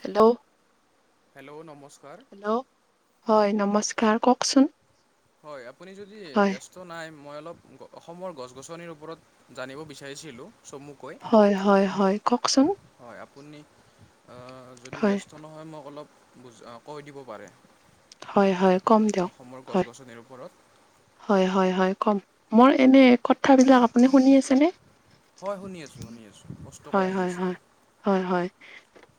Hello. Hello নমস্কাৰ। Hello হয় নমস্কাৰ কওকচোন। হয় আপুনি যদি হয় ব্যস্ত নাই। মই অলপ অসমৰ গছ গছনিৰ ওপৰত জানিব বিচাৰিছিলোঁ। চমুকৈ হয় হয় হয় কওকচোন। হয় আপুনি যদি হয় ব্যস্ত নহয় মোক অলপ বুজ কৈ দিব পাৰে। হয় হয়। কম দিয়ক অসমৰ গছ হয় গছনিৰ ওপৰত হয় হয় হয় কম মোৰ এনে কথাবিলাক আপুনি শুনি আছেনে। হয় শুনি আছো শুনি আছো। হয় হয় হয় হয় হয়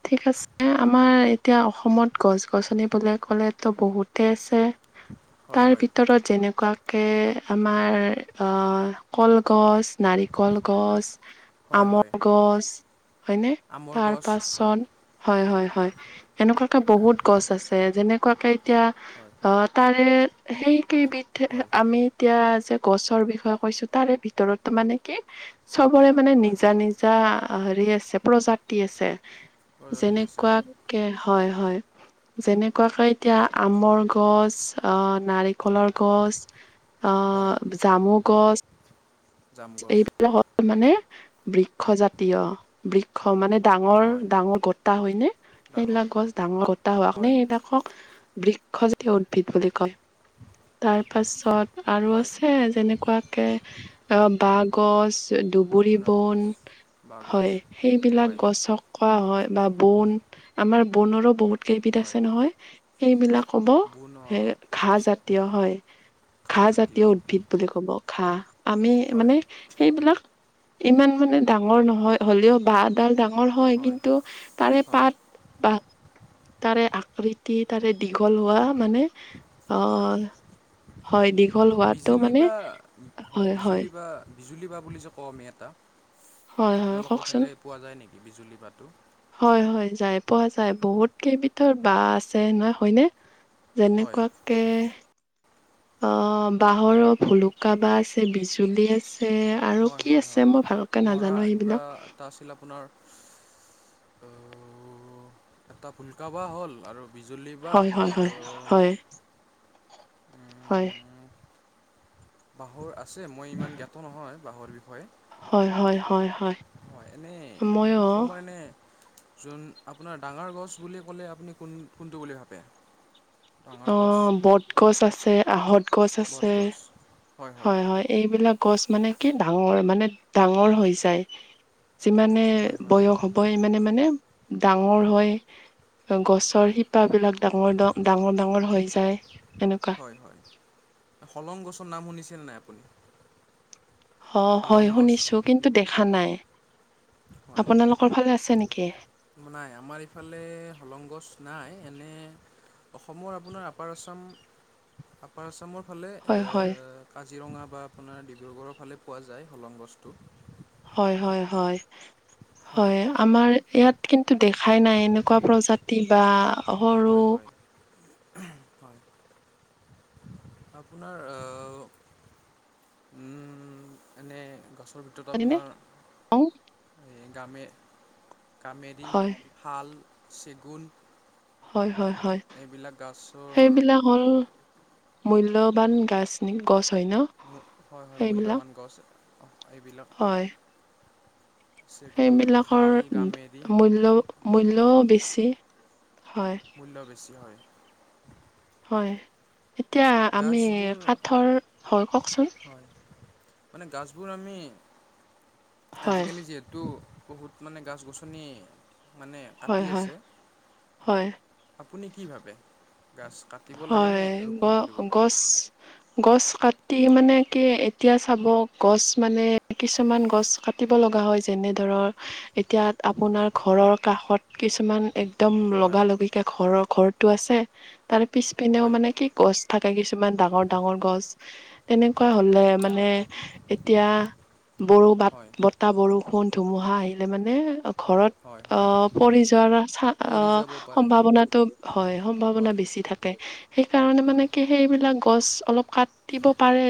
ঠিক আছে আমাৰ এতিয়া অসমত গছ গছনি বুলি ক'লেতো বহুতে আছে। হয় তাৰ হয় ভিতৰত যেনেকুৱা তাকে আমাৰ কলগছ নাৰিকল গছ। হয় হয়। আমৰ গছ হয়নে আমৰ তাৰ গছ হয় পাচন হয়। হয় হয় হয় এনেকুৱাকে বহুত গছ আছে যেনেকুৱাকে এতিয়া হয় অ তাৰে সেই কেইবিধ হয় আমি এতিয়া যে গছৰ বিষয়ে কৈছো তাৰে ভিতৰত মানে কি চবৰে মানে হয় নিজা নিজা। হেৰি আছে প্ৰজাতি আছে প্ৰজাতি আছে হয় যেনেকুৱাকে হয় হয়। যেনেকুৱাকে এতিয়া আমৰ গছ আহ হয় নাৰিকলৰ গছ অ হয় জামু গছ জাম গছ এইবিলাক মানে বৃক্ষ জাতীয় বৃক্ষ মানে। ডাঙৰ হয় ডাঙৰ গোটা হয় নে ডাঙৰ সেইবিলাক গছ ডাঙৰ গোটা হোৱা কাৰণে হয় সেইবিলাকক বৃক্ষজাতীয় উদ্ভিদ বুলি কয় তাৰপাছত আৰু হয় আছে যেনেকুৱাকে অ বাঁহগছ ধুবৰী আপোনাৰ বন বাঁহগছ হয় সেইবিলাক হয় গছক কোৱা হয় বা বন আমাৰ বনৰো বহুত কেইবিধ হয় আছে নহয় সেইবিলাক ক'ব বোন সে ঘাঁহ জাতীয় হয়। ঘাঁহ জাতীয় ঘাঁহজাতীয় উদ্ভিদ বুলি ক'ব ঘাঁহ। আমি হয় মানে সেইবিলাক ইমান মানে ডাঙৰ নহয় হ'লেও বাঁহডাল ডাঙৰ। ডাঙৰ হয় কিন্তু তাৰে হয় পাত বা। তাৰে আকৃতি তাৰে দীঘল হোৱা মানে অ হয় [inaudible] হয় দীঘল হোৱাটো বিজুলী মানে বা হয় হয় হয় বিজুলী, বাঁহ বিজুলী বাঁহ বুলি যে কওঁ আমি এটা হয় - হয় আপোনালোকৰ ফালে পোৱা যায় নেকি বিজুলী পাতো হয়-হয় যাই পোৱা যায় বহুত কেইবিধৰ বাঁহ আছে নহয় হয়নে। হয় যেনেকুৱাকে - [inaudible] অ বাঁহৰৰ ভুলুকাবাঁহ আছে, বিজুলী আছে আৰু কি আছে মই ভালকে নাজানো। কিবি সেইবিলাক এটা আছিল আপোনাৰ। এটা ভুলুকা, বাঁহ হ'ল আৰু বিজুলী, বাঁহ হয় হয় হয় আৰু হয় হয়। উম, বাঁহৰ আছে মই ইমান জ্ঞাত নহয় বাঁহৰ বিষয়ে। হয়-হয়-হয়-হয়। হয় এনেই অসমৰ এনেই - যোন আপোনাৰ ডাঙৰ গছ বুলি ক'লে আপুনি কোন-কোনটো বুলি ভাবে? ডাঙৰ অ গছ বটগছ, আছে আঁহত, - গছ আছে বটগছ হয় হয় হয়-হয় এইবিলাক গছ মানে কি ডাঙৰ মানে ডাঙৰ হৈ যায়। যিমানে হয় হয় বয়স হ'ব ইমানে মানে ডাঙৰ হয়। গছৰ হয় শিপাবিলাক ডাঙৰ-ডাঙৰ-ডাঙৰ হৈ যায়। এনেকুৱা। হয়-হয় হলং গছৰ নাম শুনিছে নাই আপুনি? অ হলং হয় গছ শুনিছো কিন্তু দেখা নাই। হয় আপোনালোকৰ ফালে আছে নেকি? নাই আমাৰ ইফালে হলং, গছ নাই এনেই - অসমৰ আপোনাৰ আপাৰ আচাম আপাৰ আচামত - ফালে হয় হয়। এই কাজিৰঙা, বা আপোনাৰ ডিব্ৰুগড়ৰ, ফালে পোৱা যায়। হলং, গছটো হয় হয় হয় হয় আমাৰ ইয়াত কিন্তু দেখাই নাই এনেকুৱা প্ৰজাতি বা সৰু হয় হয় হয় আপোনাৰ আহ উম এনেই গছ ভিতৰত হয়নে? আপোনাৰ এই গামে কামেৰী, হয় শাল, চেগুন - হয়-হয়-হয় গছৰ সেইবিলাক হ'ল মূল্যৱান গাছ-গছ, হয়-হয় মূল্যৱান গছ এইবিলাক। হয় চেগুন সেইবিলাকৰ শাল গামেৰি বট মূল্য-মূল্যও বেছি। হয় মূল্য বেছি হয়। হয় এতিয়া আমি গাছবোৰ কাঠৰ হয় ক‌ওক চোন। হয় মানে গছবোৰ আমি হয় আজিকালি যিহেতু বহুত মানে গছ-গছনি মানে হয় কাটি হয় আছে। হয় আপুনি কি ভাবে? গাছ কাটিব হয় লাগেনে ৰোপণ কৰিব লাগে গ-গছ-গছ কাটি কাটি মানে কি এতিয়া চাব গছ মানে কিছুমান গছ কাটিব লগা হয় যেনে ধৰা। ধৰ এতিয়া আপোনাৰ ঘৰৰ কাষত কিছুমান- একদম হয় লগা লগিকে ঘৰৰ ঘৰটো আছে তাৰে পিছপিনেও হয় মানে কি গছ থাকে কিছু- ইমান ডাঙৰ ডাঙৰ গছ- তেনেকুৱা হয় হলে এনেকুৱা মানে হ'লে এতিয়া বাত, হয় বতাহ বৰষুণ- ধুমুহা আহিলে মানে- ঘৰত হয় অ হয় পৰি যোৱাৰ চ পৰি যাব পাৰে সম্ভাৱনাটো হয় সম্ভাৱনা হয় বেছ- থাকে সেইকাৰণে মানে হয় কি সেইবিলাক গছ অলপ কাটিব পাৰে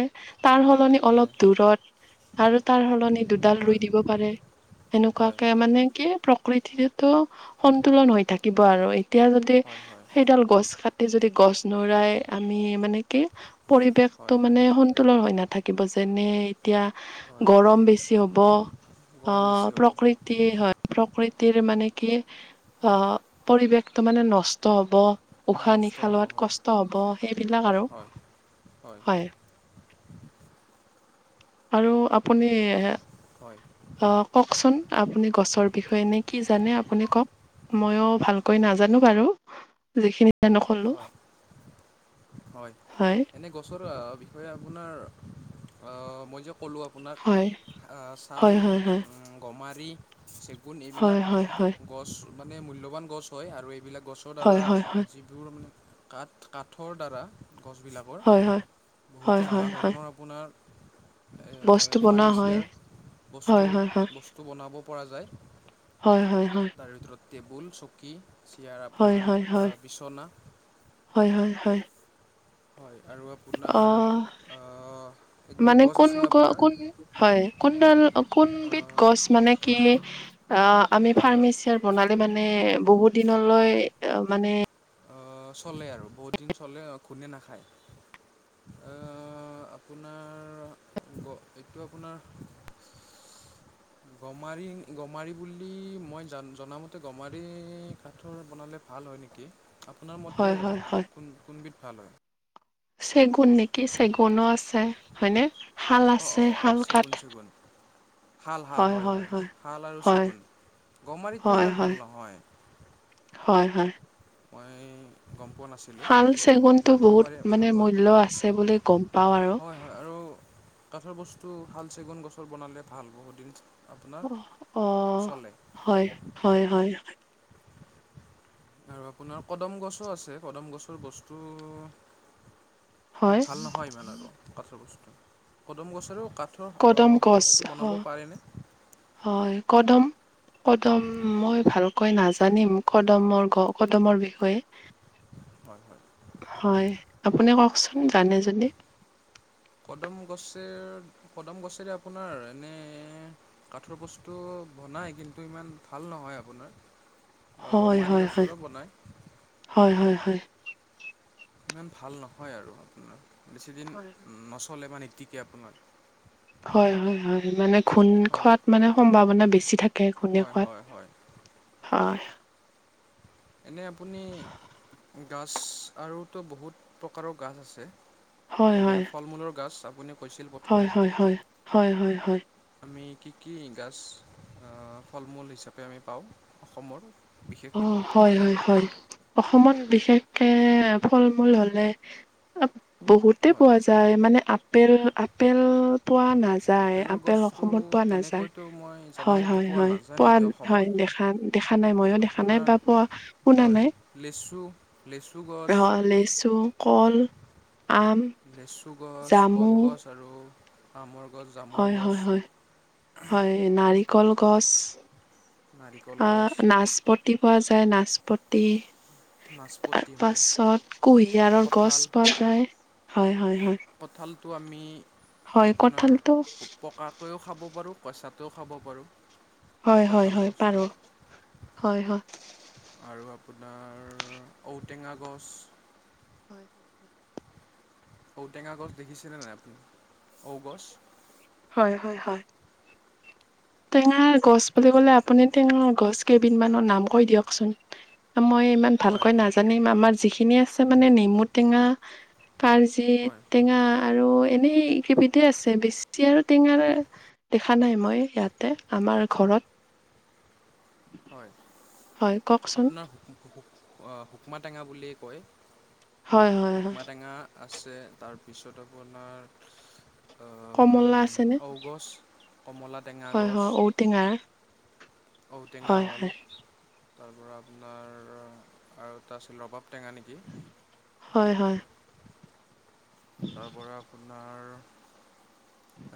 তাৰ সলনি অলপ হয় দূৰত আৰু তাৰ সলনি দুডাল ৰুই হয় দিব পাৰে। হয় সেনেকুৱাকে মানে কি প্ৰ- প্ৰকৃতিৰ ত সন্তুলন হৈ থাকিব আৰু এতিয়া যদি হয় হয় সেইডাল গছ কাট- যদি গছ নৰাই আমি মানে কি পৰিৱেশতটো হয় মানে সন্তুলন হৈ নাথাক- কিব যেনে এতিয়া হয় গৰম বেছি হ'ব, অ গৰম বেছি হ'ব প্ৰকৃতি হয় প্ৰকৃ- তিৰ মানে কি অ পৰিৱেশটো মানে নষ্ট হ'ব উশাহ নিশ- নষ্ট শা হ'ব লোৱাত হয় কষ্ট হ'ব সেইবিলাক আৰু হয় হয়। আৰু আপুনি হয় আহ কওকচোন আপুনি গছৰ বিষয়ে নে কি জানে আপুনি কওক? ময়ো ভালকৈ নাজানো বাৰু যিখিনি জানো কলো হয় এনে গছৰ বিষয়ে আপোনাৰ মই যক কলো আপোনাক হয়। ছাল, হয় হয় হয় গমাৰি, চে- গুণ এইবিলাক হয় হয় হয় গছ মানে মূল্যবান গছ হয় আৰু এইবিলাক গছৰ দ্বাৰা হয় হয় হয় যিবোৰ মানে কাঠ কাঠৰ দ্বাৰা গছবিলাকৰ হয় হয় হয় বহুতো নানা হয় হয়। ধৰণৰ আপোনাৰ বস্তু বনোৱা হয় ফাৰ্ণিচাৰ হয় বস্তু হয় হয় বস্তু বনাব পৰা যায়। হয় হয় হয়। তাৰ ভিতৰত টেবুল, চকী, চেয়াৰ হয় আপোনাৰ হয় হয় বা বিচনা হয় হয় হয়। হয়। আৰু আপোনাৰ অ আ মানে একবিধ গছ কোন আছিল গ আপোনাৰ কোন হয় কোনডাল আ কোনবিধ গছ মানে কি অ আমি ভাল হয় ফাৰ্মাচাৰ বনালে মানে মানে বহুত দিনলৈ মানে আহ, চলে আৰু বহুত দিন চলে গুনে নাখায়। আপোনাৰ এইটো আপোনাৰ [unintelligible] গমাৰি গমাৰি বুলি মই জ জামতে গমাৰি কাঠৰ বনালে ভাল ভাল হয় নেকি আপোনাৰ মতে হয় হয় হয় কোন কোনবিধ ভাল হয় চেগুন নেকি চেগুনো আছে হয়নে শাল অঁ আছে অঁ অঁ অঁ শাল কাঠ চেগুন চেগুন শাল শাল হয় হয় শাল আৰু হয় চেগুন গমাৰিটো হয় ইমান হয় ভাল নহয়। হয় হয়। মই গম পোৱা নাছিলোঁ শাল চেগুনটো জানিব বহুত পাৰি মানে ভাল হয় মূল্য আছে বুলি গম পাওঁ আৰু হয় হয় আৰু কাঠৰ বস্তু ভাল চেগুন গছৰ বনালে ভাল বহুত দিন অ হয় হয় হয় আৰু আপোনাৰ কদম গছো আছে কদম গছৰ বস্তু হয় ভাল নহয় ইমান আৰু কাঠৰ বস্তু কদম গছৰ কাঠ কদম গছ বস্তু বনাব হয় পাৰেনে? হয় কদম কদম মই ভালকৈ নাজানিম কদমৰ কদমৰ বিষয়ে হয়। হয় হয় আপুনি কওকচোন জানে যদি? কদম গছে কদম গছেৰে আপোনাৰ এনে কাঠৰ বস্তু বনায় কিন্তু ইমান ভাল নহয় আপোনাৰ। বা হয় গমাৰি হয় হয় গছৰো বনায় হয় হয় হয়। ইমান ভাল নহয় আৰু আপোনাৰ বেছিদিন নচলে বা নিতিকে আপোনাৰ। হয় হয় হয় মানে ঘোণ হয় খোৱাত মানে সম্ভাৱনা বেছি থাকে খুণে হয় খোৱাত। হয় হয় হয়। এনেই আপুনি গছ আৰুতো বহুত প্ৰকাৰৰ গছ আছে হয় যেনে হয় ফল মূলৰ গাছ আ হয় হয় হয় হয় হয় হয়। আমি কি কি গাছ ফল মূল হিচাপে আমি পাওঁ অসমৰ? অ বিশেষকৈ হয় হয় হয়। অসমত বিশেষকে ফল মূল হলে বহুতে হয় পোৱা যায় মানে আপেল আপেল পোৱা নাযায়। যায় আপেলৰ আপেল গছটো অসমত পোৱা নাযায় তেনেকৈতো মই হয় জনামতে হয় পোৱা হয় নাযায় পোৱা নেকি হয় অসমত দেখা দে। দেখা নাই মইও দেখা খ নাই আপোনাৰ বা পোৱা শুনা হয় নাই লেচু লেচু গছ আহ লেচু কল আম, লেচু গছ জামু কলগছ আৰু আমৰ গ হয় হয় হয় হয় নাৰিকল গছ। নাৰিকল আহ গছ নাচপতি পোৱা যায় নাচপতি। তাৰ নাচপতি হয় পাছত কুঁহিয়াৰৰ গছ কঁঠাল বনাই হয় হয়। হয়, কঁঠালটো আমি হয়, আপোনাৰ কঁঠালটো পকাকৈও খাব পাৰোঁ কঁচাত তো খাব পাৰোঁ। হয় হয় কঁঠাল হয় পাৰ গছটো হয়। আৰু আপোনাৰ ঔটেঙা গছ হয় ঔটেঙা গছ দেখিছেনে নাই আপুনি ঔ গছ? হয় হয় হয়। টেঙাৰ গছ বুলি ক'লে আপুনি টেঙাৰ গছ কেইবিধমানৰ নাম কৈ দিয়কচোন। মই ইমান হয় ভালকৈ নাজানিম আমাৰ যিখিনি আছে মানে নেমু টেঙা পাৰজি হয় টেঙা আৰু। এনেই কেইবিধে আছে বেছি আৰু টেঙাৰ দেখা নাই মই ইয়াত। আমাৰ ঘৰত। হয় হয় কওকচোন আপোনাৰ হুকুমা টেঙা বুলি কয়। হয় হয় হয়। শুকমা টেঙা আছে তাৰপিছত আপোনাৰ আম, কমলা আছে নে? ঔগছ কমলা টেঙা হয় গছ হয় ঔটেঙাৰ ঔটেঙা হয় হ'ল হয় তাৰ পৰা আপোনাৰ আৰু এটা আছিল ৰবাব টেঙা নেকি? হয় হয়। তাৰ পৰা আপোনাৰ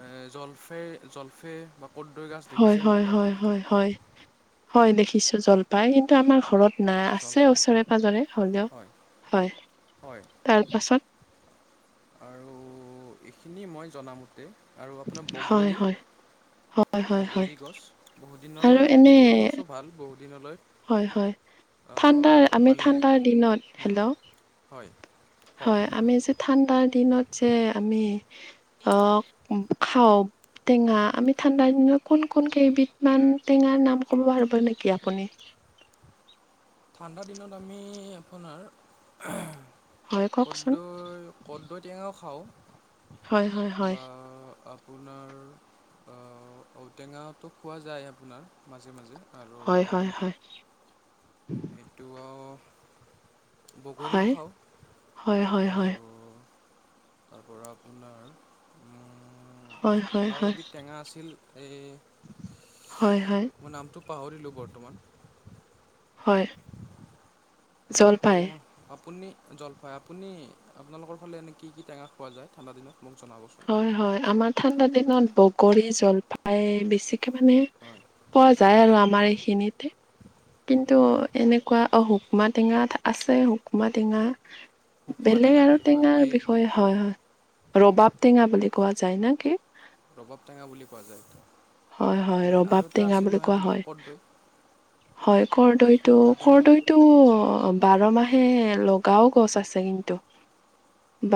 এ জলফে জলফে বা কদৈ গছ হয় দেখিছে নেকি হয় হয় আপুনি হয় হয় হয় দেখিছো জলপাই কিন্তু আমাৰ ঘৰত নাই আছে জলফাই ওচৰে পাজৰে হ'লেও। হয় হয় হয় তাৰপাছত আৰু এইখিনি মই জনামতে। আৰু আপোনাৰ হয় বগৰী হয় হয় হয় হয় বগৰী গছ বহুত আৰু দিনলৈ এনে বগৰী গছো ভাল বহুত। হয় হয় ঠাণ্ডাৰ আহ, আমি মানে ঠাণ্ডাৰ দিনত হুম, হেল্ল' হয় কওক হয় আমি যে ঠাণ্ডা দাৰ দিনত যে আমি আহ খাওঁ টেঙা আমি ঠাণ্ডাৰ দিনত কোন কোন কেইবিধমান টেঙাৰ নাম ক'ব পাৰিব নেকি আপুনি? [inaudible] ঠাণ্ডা দিনত আমি আপোনাৰ হয় কওকচোন কদৈ কদৈ টেঙাও খাওঁ হয় হয় হয় বা আপোনাৰ ঔটেঙাটো খোৱা যায় আপোনাৰ মাজে মাজে আৰু হয় হয় হয় এইটো অ বগৰীও হয় খাওঁ হয় হয় হয় আৰু তাৰ পৰা আপোনাৰ হয় হয় আৰু হয় এবিধ টেঙা আছিল এই হয় হয় মই নামটো পাহৰিলোঁ বৰ্তমান হয় এনেতো জলপাই আপুনি জলফাই আপুনি আপোনালোকৰ ফালে এনে কি কি টেঙা খোৱা যায় ঠাণ্ডা দিনত মোক জনাবচোন হয় হয় আমাৰ ঠাণ্ডা দিনত বগৰী জলফাই বেছি মানে হয় পোৱা যায় আৰু আমাৰ এইখিনিতে কিন্তু হয় এনেকুৱা অ হুকুমা টেঙাত আছে হুকুমা টেঙা শুকমা বেলেগ টেঙা আৰু বুলি হয় টেঙাৰ মই এই বিষয়ে হয় হয় ৰবাব টেঙা বুলি কোৱা যায় নে কি ৰবাব টেঙা বুলি কোৱা যায় এইটো হয় হয় ৰবাব টেঙা বুলি কোৱা হয় কৰ্দৈ হয় কৰৰ্দৈটো কৰ্দৈ টেঙা কৰৰ্দৈটো বাৰ মাহ সে লগাও গছ আছে কিন্তু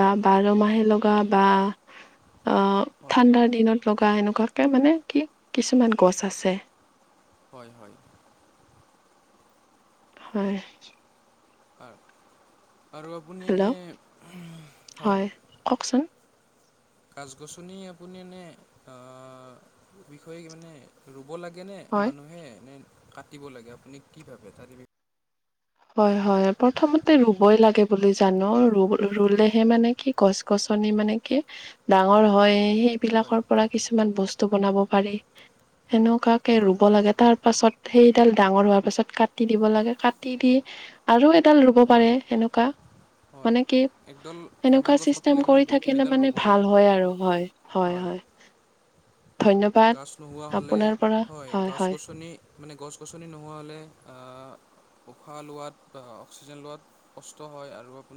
বা বাৰমাহে লগা বা আহ হয় ঠাণ্ডাৰ দিনত লগা এনেকুৱাকে মানে কি কিছুমান গছ আছে হয় হয় হয় আৰু আপুনি হেল্ল' এনেই হয় গাছ গছনি আপুনি এনে বিষয়ে মানে ৰুব লাগে নে হয় মানুহে নে কাটিব লাগে আপুনি কি ভাবে তাৰে হয় হয় প্ৰথমতে ৰুবই লাগে বুলি জান ৰুলেহে মানে কি গছ গছ নি মানে কি ডাঙৰ হয় হয় সেইবিলাকৰ পৰা কিছুমান বস্তু বনাব পাৰি সেনেকুৱাকে হয় ৰুব লাগে তাৰ পাছত সেইডাল ডাঙৰ হোৱাৰ পাছত কাটি দিব লাগে কাটি দি আৰু এডাল ৰুব পাৰে হয় সেনেকুৱা হয় মানে কি একডাল এডাল এনেকুৱা গছ কাটিলে চিষ্টেম মানে কৰি দুই থাকিলে তিনিডাল মানে ৰুব ভাল লাগে হয় আৰু হয় হয় হয়। ধন্যবাদ গছ নোহোৱা হ'লে হয় গছ গছনি। মানে গছ গছনি নোহোৱা হ'লে অ উশাহ লোৱাত বা অক্সিজেন লোৱাত কষ্ট হয় আৰু আ